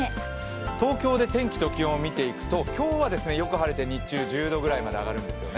東京を見ていくと今日はよく晴れて日中１０度ぐらいまで上がるんですよね